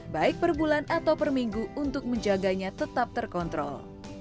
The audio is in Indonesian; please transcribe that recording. baik per bulan atau per minggu untuk menjaganya tetap terkontrol